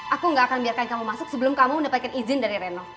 aku gak akan biarkan kamu masuk sebelum kamu mendapatkan izin dari renov